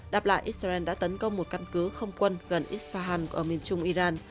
đáp lại israel đã tấn công một căn cứ không quân gần isfaham ở miền trung iran